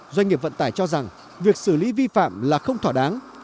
doanh nghiệp vận tải cho rằng việc xử lý vi phạm là không thỏa đáng